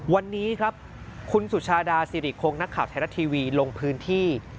วันนี้ครับคุณสุชาดาสิริคงนักข่าวไทยรัฐทีวีลงพื้นที่